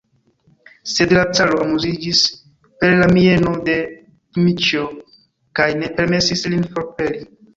Sed la caro amuziĝis per la mieno de Dmiĉjo kaj ne permesis lin forpeli.